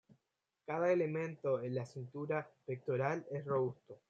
Cada elemento en la cintura pectoral es robusto.